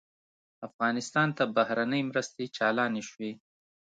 افغانستان ته بهرنۍ مرستې چالانې شوې.